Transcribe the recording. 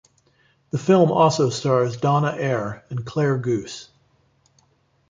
The film also stars Donna Air and Claire Goose.